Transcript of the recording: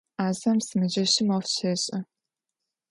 Ӏазэм сымэджэщым ӏоф щешӏэ.